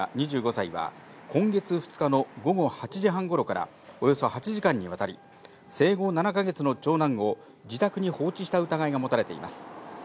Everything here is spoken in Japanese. ２５歳は、今月２日の午後８時半ごろから、およそ８時間にわたり、生後７か月の長男を自宅に放置した疑いが持たれています。